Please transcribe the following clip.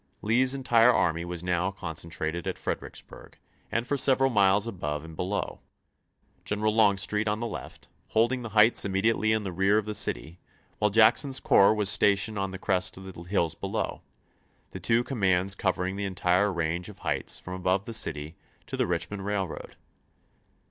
Lee's entire army was now concentrated at Fred ericksburg and for several miles above and below ; General Longstreet on the left, holding the heights immediately in the rear of the city, while Jackson's corps was stationed on the crest of the hills below, the two commands covering the entire range of heights from above the city to the Richmond Rail road.